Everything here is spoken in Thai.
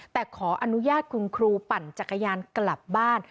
แต่ขออนุญาตคุณครูปั่นจักรยานกลับบ้าน